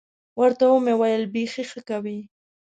ورته ومې ویل بيخي ښه کوې.